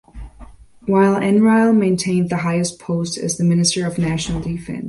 While Enrile maintained the highest post as the Minister of National Defense.